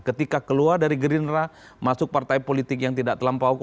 ketika keluar dari gerindra masuk partai politik yang tidak terlampau